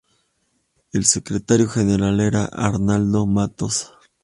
El secretario general era Arnaldo Matos.